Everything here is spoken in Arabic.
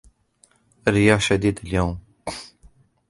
الرياح شديدة اليوم.